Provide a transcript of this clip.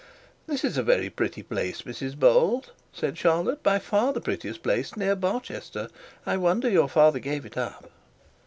'This is a very pretty place, Mrs Bold,' said Charlotte; 'by far the prettiest place near Barchester. I wonder your father gave it up.'